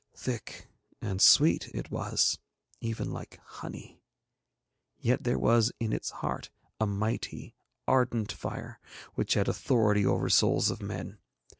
Thick and sweet it was, even like honey, yet there was in its heart a mighty, ardent fire which had authority over souls of men.